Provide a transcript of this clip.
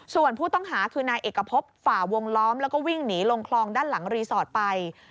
ส่วนผู้ต้องหาคือนายเอกพบฝ่าวงล้อมแล้วก็วิ่งหนีลงคลองด้านหลังรีสอร์ทไป